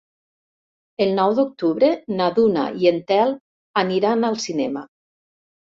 El nou d'octubre na Duna i en Telm aniran al cinema.